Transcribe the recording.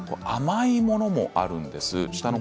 甘いものもあるんですね。